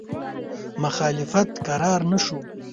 مخالفت کرار نه شو.